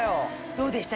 どうでした？